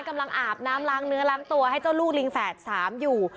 อาบน้ำล้างเนื้อล้างตัวให้เจ้าลูกลิงแฝดสามอยู่